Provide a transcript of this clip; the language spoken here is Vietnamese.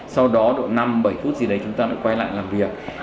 sau đó độ năm bảy phút gì đấy chúng ta lại quay lại làm việc